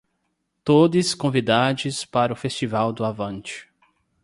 Todes convidades para o festival do Avante